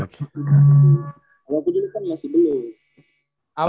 kalau aku dulu kan masih belum